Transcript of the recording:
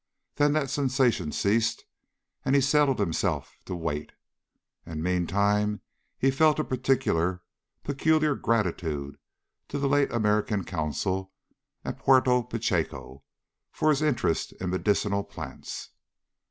Then that sensation ceased and he settled himself to wait. And meantime he felt a particular, peculiar gratitude to the late American consul at Puerto Pachecho for his interest in medicinal plants.